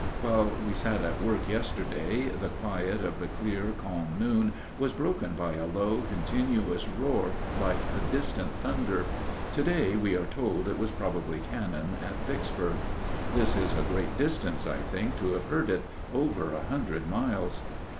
While we sat at work yesterday, the quiet of the clear, calm noon was broken by a low, continuous roar like distant thunder. To day we are told it was probably cannon at Vicksburg. This is a great distance, I think, to have heard it over a hundred miles.